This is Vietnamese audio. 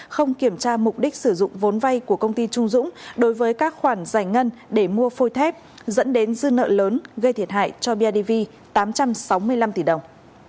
không kiểm tra mục đích sử dụng vốn vay của công ty trung dũng đối với các khoản giải ngân để mua phôi thép dẫn đến dư nợ lớn gây thiệt hại cho bidv tám trăm sáu mươi năm tỷ đồng